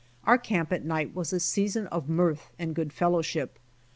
Our camp at night was a season of mirth and good fellow ship.